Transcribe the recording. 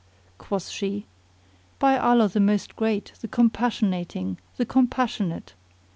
Quoth she, "By Allah the Most Great, the Compassionating, the Compassionate!